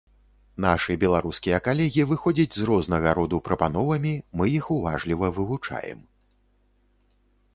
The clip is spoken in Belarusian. Нашы беларускія калегі выходзяць з рознага роду прапановамі, мы іх уважліва вывучаем.